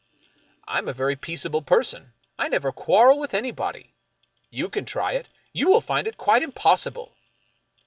" I am a very peaceable person. I never quarrel with any body. You can try it. You will find it quite impossible."